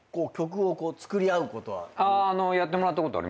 やってもらったことありますよ。